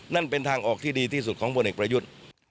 นั่นเป็นทางออกที่ดีที่สุดของพลเอกประยุทธ์